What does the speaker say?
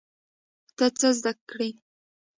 ته څه زده کړې؟